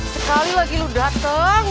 sekali lagi lu dateng